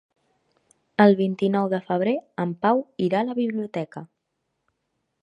El vint-i-nou de febrer en Pau irà a la biblioteca.